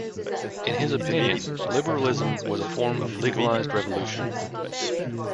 In his opinion, liberalism was a form of legalized revolution.